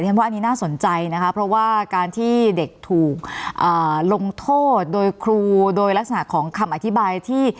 ว่าอันนี้น่าสนใจนะคะเพราะว่าการที่เด็กถูกลงโทษโดยครูโดยลักษณะของคำอธิบายที่